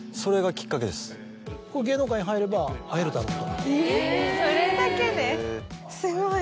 芸能界に入れば会えるだろうと。